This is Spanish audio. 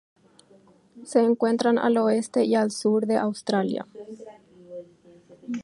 Se encuentran al oeste y al sur de Australia.